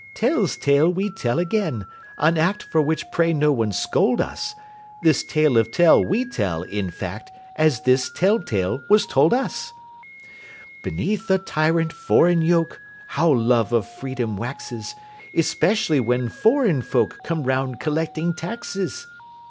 Tell's tale we tell again an act For which pray no one scold us This tale of Tell we tell, in fact, As this Tell tale was told us. PLATE I. Beneath a tyrant foreign yoke, How love of freedom waxes! (Especially when foreign folk Come round collecting taxes.)